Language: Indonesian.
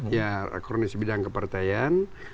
ya rakornis bidang kepertayaan